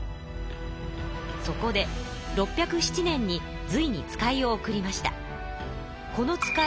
そこで６０７年に隋に使いを送りました。